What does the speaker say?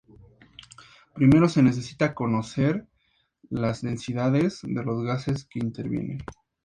Primero se necesita conocer las densidades de los gases que intervienen.